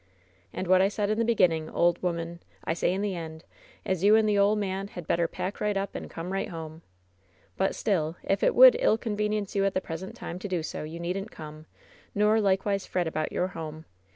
"And what I said in the beginning, old ^man, I say in the end — as you and the ole man had better pack right up and come right home. "But still, if it would ill convenience you at the pres ent time to do so, you needn't come, nor likewise fret about your home.